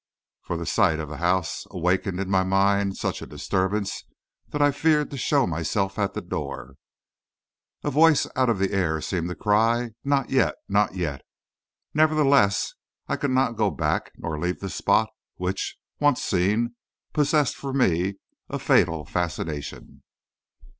For the sight of the house awakened in my mind such a disturbance that I feared to show myself at the door. A voice out of the air seemed to cry, 'Not yet! not yet!' Nevertheless I could not go back nor leave the spot, which, once seen, possessed for me a fatal fascination."